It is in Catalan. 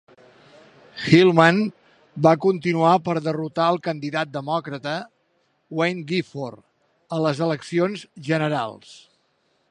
Hillman va continuar per derrotar el candidat demòcrata, Wayne Gifford, a les eleccions generals.